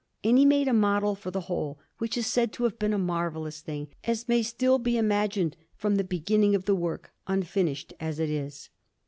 And he had made a model for the whole, which is said to have been a marvellous thing, as may still be imagined from the beginning of the work, unfinished as it is.